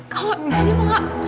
kamu tadi mau gak